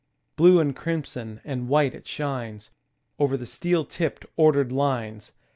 Blue and crimson and white it shines, Over the steel tipped, ordered lines.